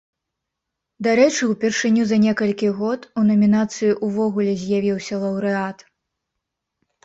Дарэчы, упершыню за некалькі год у намінацыі ўвогуле з'явіўся лаўрэат.